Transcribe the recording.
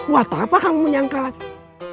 waktu apa kamu menyangka lagi